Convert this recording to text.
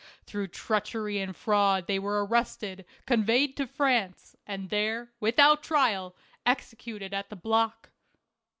Through treachery and fraud they were arrested, conveyed to France, and there, without trial, exe cuted at the block.